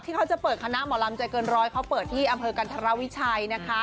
เขาจะเปิดคณะหมอลำใจเกินร้อยเขาเปิดที่อำเภอกันธรวิชัยนะคะ